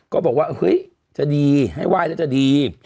ก็บอกว่าเฮ้ยจะดีให้ไหว้แล้วจะดี